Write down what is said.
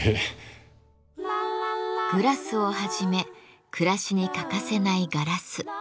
グラスをはじめ暮らしに欠かせないガラス。